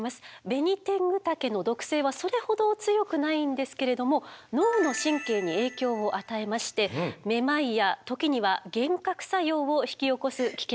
ベニテングタケの毒性はそれほど強くないんですけれども脳の神経に影響を与えましてめまいや時には幻覚作用を引き起こす危険性がございます。